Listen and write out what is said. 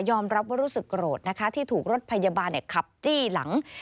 รับว่ารู้สึกโกรธนะคะที่ถูกรถพยาบาลขับจี้หลัง